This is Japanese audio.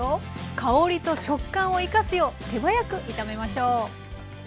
香りと食感を生かすよう手早く炒めましょう。